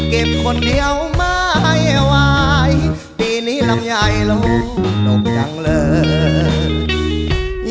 เก็บคนเดียวไม่ไหวปีนี้ลำยายลูกตกยังเริ่ม